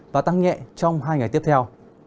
và tăng nhẹ trong hai ngày tiếp theo